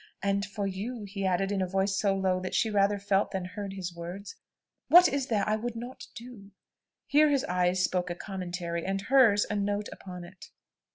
And for you," he added, in a voice so low, that she rather felt than heard his words, "what is there I would not do?" Here his eyes spoke a commentary; and hers, a note upon it.